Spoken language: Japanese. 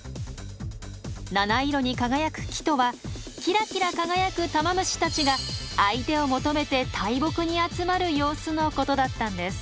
七色に輝く木とはキラキラ輝くタマムシたちが相手を求めて大木に集まる様子のことだったんです。